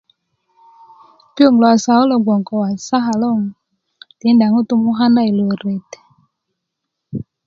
piöŋ lo wasaka kulo gboŋ ko wasaka loŋ tinda ŋutu i moka na i lo ret